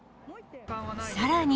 さらに。